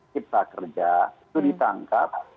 cipta kerja itu ditangkap